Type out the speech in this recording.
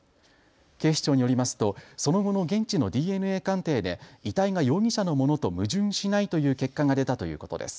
警視庁によりますとその後の現地のＤＮＡ鑑定で遺体が容疑者のものと矛盾しないという結果が出たということです。